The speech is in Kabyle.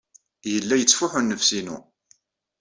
Yella yettfuḥu nnefs-inu.